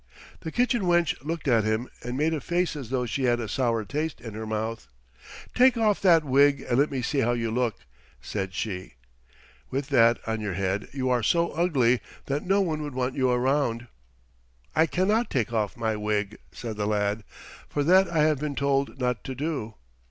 The kitchen wench looked at him and made a face as though she had a sour taste in her mouth. "Take off that wig and let me see how you look," said she. "With that on your head you are so ugly that no one would want you around." "I cannot take off my wig," said the lad, "for that I have been told not to do."